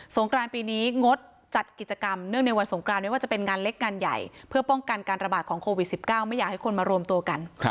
งกรานปีนี้งดจัดกิจกรรมเนื่องในวันสงครานไม่ว่าจะเป็นงานเล็กงานใหญ่เพื่อป้องกันการระบาดของโควิด๑๙ไม่อยากให้คนมารวมตัวกัน